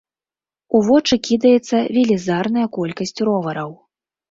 У вочы кідаецца велізарная колькасць ровараў.